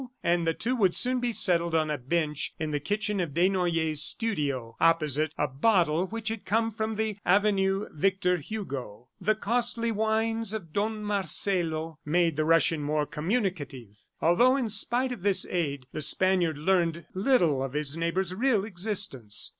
and the two would soon be settled on a bench in the kitchen of Desnoyers' studio, opposite a bottle which had come from the avenue Victor Hugo. The costly wines of Don Marcelo made the Russian more communicative, although, in spite of this aid, the Spaniard learned little of his neighbor's real existence.